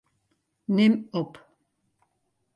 Nim op.